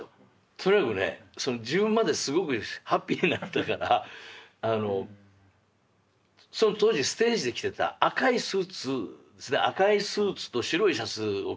とにかくね自分まですごくハッピーになったからその当時ステージで着てた赤いスーツですね赤いスーツと白いシャツを着て行ったんですよ。